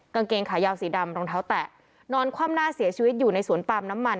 กางเกงขายาวสีดำรองเท้าแตะนอนคว่ำหน้าเสียชีวิตอยู่ในสวนปาล์มน้ำมัน